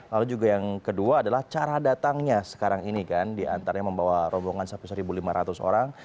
lalu juga yang kedua adalah cara datangnya sekarang ini kan diantaranya membawa rombongan sampai satu lima ratus orang